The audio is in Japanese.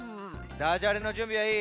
ダジャレのじゅんびはいい？